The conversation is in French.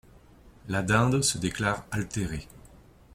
La Dinde se déclare altérée.